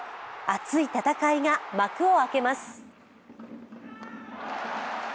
熱い戦いが幕を開けます。